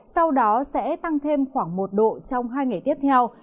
sau đó sẽ tăng thêm khoảng một độ trong hai ngày tiếp theo